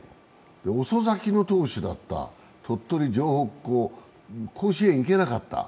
遅咲きの投手だった、鳥取城北高、甲子園いけなかった。